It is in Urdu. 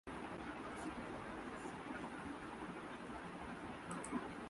بھارتی کرکٹر وریندر سہواگ کا کرکٹ سے ریٹائرمنٹ کا اعلان